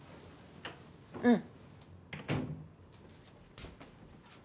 うん。